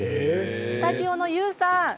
スタジオのＹＯＵさん